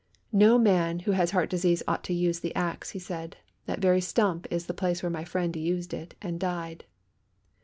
"No man who has heart disease ought to use the axe," he said; "that very stump is the place where my friend used it, and died."